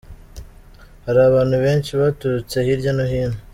Hari abantu benshi baturutse hirya no hino.